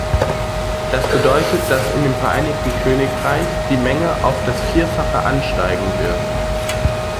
Das bedeutet, dass in dem Vereinigten Königreich die Menge auf das Vierfache ansteigen wird.